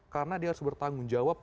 karena dia harus bertanggung jawab